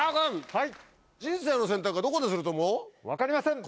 はい。